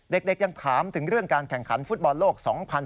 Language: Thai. เด็กยังถามถึงเรื่องการแข่งขันฟุตบอลโลก๒๐๑๖